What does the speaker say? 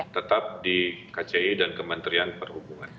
tetap di kci dan kementerian perhubungan